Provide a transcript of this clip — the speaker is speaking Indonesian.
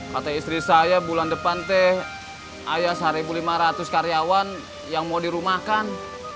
kata istri saya bulan depan teh ayah satu lima ratus karyawan yang mau dirumahkan